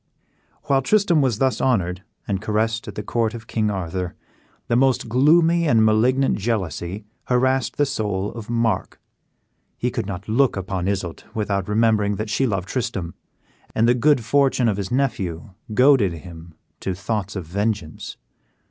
While Tristram was thus honored and caressed at the court of King Arthur, the most gloomy and malignant jealousy harassed the soul of Mark. He could not look upon Isoude without remembering that she loved Tristram, and the good fortune of his nephew goaded him to thoughts of vengeance.